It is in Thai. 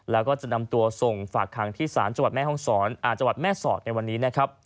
และจะนำตัวส่งฝากคังที่สารจังหวัดแม่ศอดในวันนี้